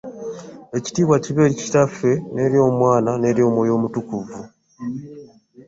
Ekitiibwa kibe eri kitaffe neri omwana neri omwoyo omutukuvu.